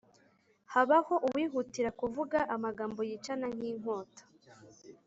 habaho uwihutira kuvuga amagambo yicana nk’inkota,